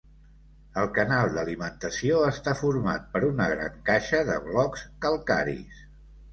El canal d'alimentació està format per una gran caixa de blocs calcaris.